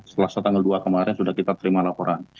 setelah tanggal dua kemarin sudah kita terima laporan